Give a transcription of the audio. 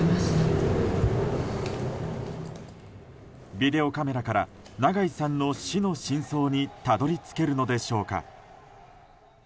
ビデオカメラから長井さんの死の真相にたどり着けるのでしょうか。